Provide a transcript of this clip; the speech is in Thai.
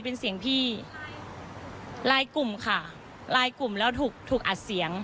เป็นเสียงพี่ลายกลุ่มค่ะลายกลุ่มแล้วถูกถูกอัดเสียง